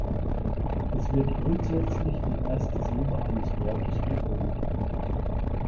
Es wird grundsätzlich die erste Silbe eines Wortes betont.